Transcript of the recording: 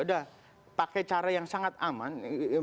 udah pakai cara yang sangat aman yang